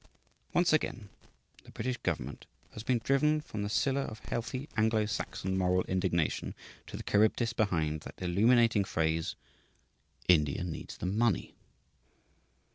Once again the British government has been driven from the Scylla of healthy Anglo Saxon moral indignation to the Charybdis behind that illuminating phrase "India needs the money."